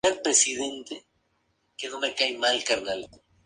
Es de un color amarillo brillante.